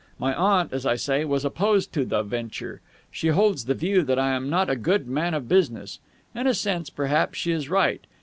My aunt, as I say, was opposed to the venture. She holds the view that I am not a good man of business. In a sense, perhaps, she is right.